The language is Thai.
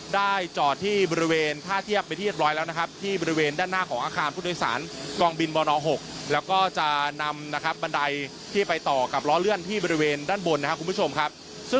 ได้จอดที่บริเวณถ้าเทียบไปที่๑๐๐แล้วนะครับ